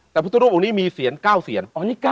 แต่พระพุทธรูปตรงนี้มีเศียร๙เศียร